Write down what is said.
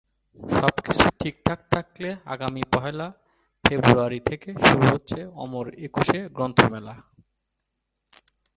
সবকিছু ঠিকঠাক থাকলে আগামী পয়লা ফেব্রুয়ারি থেকে শুরু হচ্ছে অমর একুশে গ্রন্থমেলা।